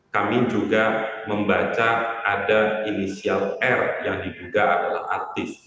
kami juga membaca ada inisial r yang diduga adalah artis